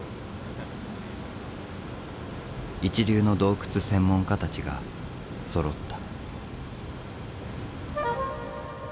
一流の洞窟専門家たちがそろった。